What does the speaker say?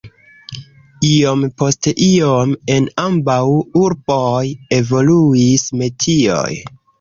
Iom post iom en ambaŭ urboj evoluis metioj.